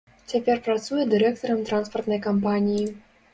Цяпер працуе дырэктарам транспартнай кампаніі.